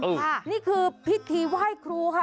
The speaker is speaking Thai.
อืมค่ะนี่คือพิธีไหว้ครูค่ะ